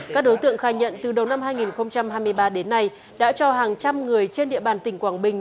các đối tượng khai nhận từ đầu năm hai nghìn hai mươi ba đến nay đã cho hàng trăm người trên địa bàn tỉnh quảng bình